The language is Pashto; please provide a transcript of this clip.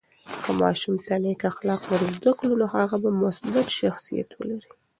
که ماشوم ته نیک اخلاق ورزده کړو، نو هغه به مثبت شخصیت ولري.